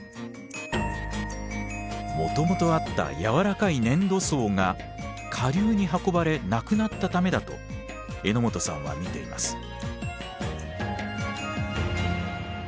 もともとあった軟らかい粘土層が下流に運ばれなくなったためだと荏本さんは見ています。